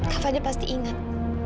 kak fadil pasti ingat